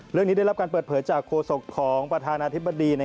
เรื่องนี้ได้รับการเปิดเผยจากโคงสกของประธานาธิบดี